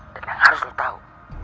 dan yang harus lo tau